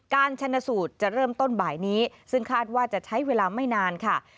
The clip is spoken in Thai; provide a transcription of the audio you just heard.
ชนสูตรจะเริ่มต้นบ่ายนี้ซึ่งคาดว่าจะใช้เวลาไม่นานค่ะ